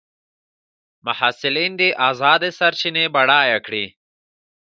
محصلین دي ازادې سرچینې بډایه کړي.